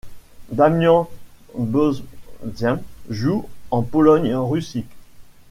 Damian Zbozień joue en Pologne et en Russie.